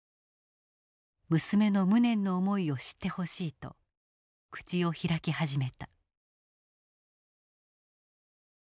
娘の無念の思いを知ってほしいと口を開き始めた。